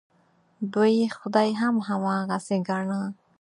دوی خدای هم هماغسې ګاڼه.